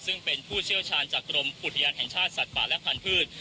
ซึ่งเป็นผู้เชี่ยวชาญจากกรมอุทยานแห่งชาติสัตว์ป่าและพันธุ์